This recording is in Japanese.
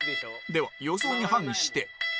では予想に反して